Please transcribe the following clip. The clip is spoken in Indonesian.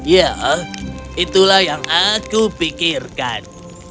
ya itulah yang aku pikirkan